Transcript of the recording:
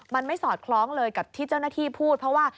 มันไม่สอดคล้องเลยกับที่เจ้าหน้าที่พูดเพราะว่า